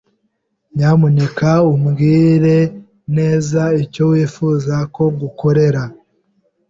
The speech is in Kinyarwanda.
Nyamuneka umbwire neza icyo wifuza ko ngukorera.